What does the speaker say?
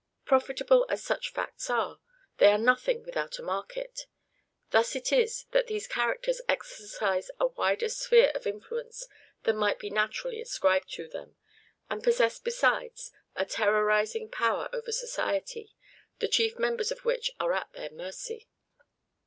Profitable as such facts are, they are nothing without a market. Thus it is that these characters exercise a wider sphere of influence than might be naturally ascribed to them, and possess besides a terrorizing power over society, the chief members of which are at their mercy.